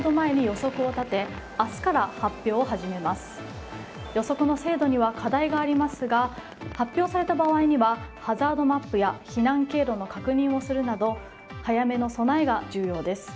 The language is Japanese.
予測の精度には課題がありますが発表された場合にはハザードマップや避難経路の確認をするなど早めの備えが重要です。